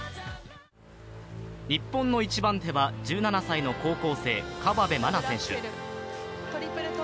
日本の一番手は１７歳の高校生、河辺愛菜選手。